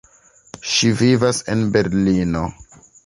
Ŝi vivas en Berlino.